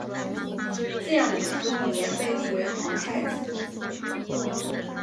建武十五年被立为皇太子。